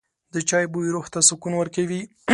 د چای بوی روح ته سکون ورکوي.